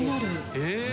え！